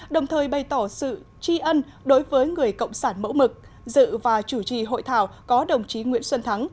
đồng thời bày tỏ sự tri ân đối với người cộng sản mẫu mực dự và chủ trì hội thảo có đồng chí nguyễn xuân thắng